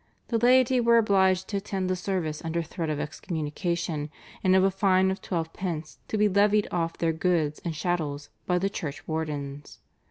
The laity were obliged to attend the service under threat of excommunication and of a fine of twelve pence to be levied off their goods and chattels by the church wardens.